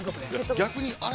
◆逆にあれ。